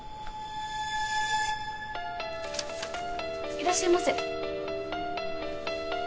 いらっしゃいませ。